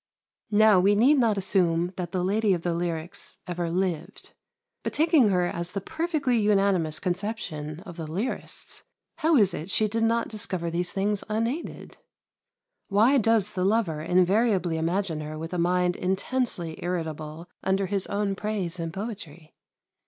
Now we need not assume that the lady of the lyrics ever lived. But taking her as the perfectly unanimous conception of the lyrists, how is it she did not discover these things unaided? Why does the lover invariably imagine her with a mind intensely irritable under his own praise and poetry?